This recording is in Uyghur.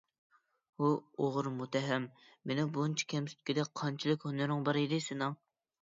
ھۇ ئوغرى مۇتتەھەم! مېنى بۇنچە كەمسىتكۈدەك قانچىلىك ھۈنىرىڭ بار ئىدى سېنىڭ؟